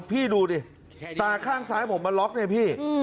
พี่ดูดิตาข้างซ้ายผมมันล็อกเนี่ยพี่